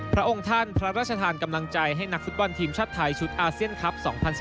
พระองค์ท่านพระราชทานกำลังใจให้นักฟุตบอลทีมชาติไทยชุดอาเซียนคลับ๒๐๑๙